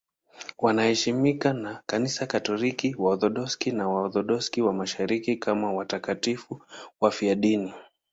Wanaheshimiwa na Kanisa Katoliki, Waorthodoksi na Waorthodoksi wa Mashariki kama watakatifu wafiadini.